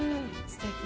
すてき。